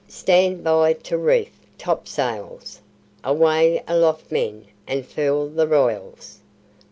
"Stand by to reef topsails! Away aloft, men, and furl the royals!"